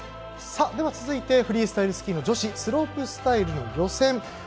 では続いてフリースタイルスキー女子スロープスタイルの予選。